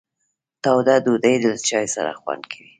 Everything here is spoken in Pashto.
تاوده ډوډۍ له چای سره خوند کوي.